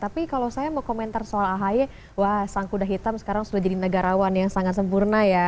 tapi kalau saya mau komentar soal ahy wah sang kuda hitam sekarang sudah jadi negarawan yang sangat sempurna ya